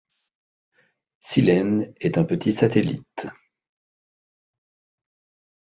Cyllène est un petit satellite.